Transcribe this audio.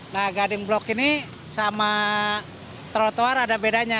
nah guiding block ini sama trotoar ada bedanya